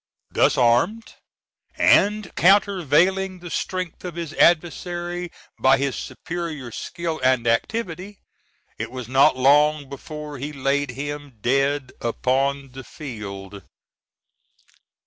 Thus armed, and countervailing the strength of his adversary by his superior skill and activity, it was not long before he laid him dead upon the field.